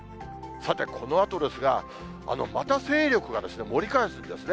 さて、このあとですが、また勢力が盛り返すんですね。